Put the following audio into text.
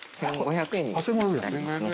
１，５００円になりますね。